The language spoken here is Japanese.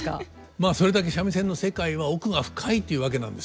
まあそれだけ三味線の世界は奥が深いというわけなんですよ。